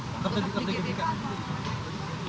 kepikai kepikai kepikai